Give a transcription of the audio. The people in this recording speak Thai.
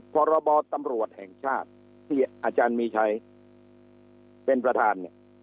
๑พรบตำรวจแห่งชาติที่อาจารย์มีใช้เป็นประธาน